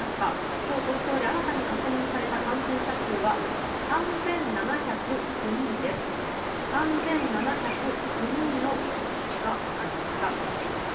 今日、東京で新たに確認された感染者数は３７０９人の感染が分かりました。